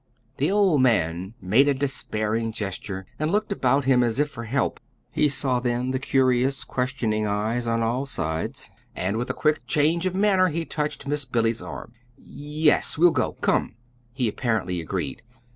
The old man made a despairing gesture and looked about him as if for help. He saw then the curious, questioning eyes on all sides; and with a quick change of manner, he touched Miss Billy's arm. "Yes; we'll go. Come," he apparently agreed.